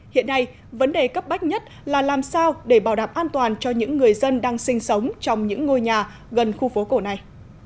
hiện nay vấn đề cấp bách nhất là làm sao để bảo đảm an toàn cho những người dân đang sinh sống trong những ngôi nhà gần khu phố cổ này